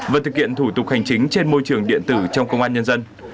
và thực hiện thủ tục hành chính trên môi trường điện tử trong công an nhân dân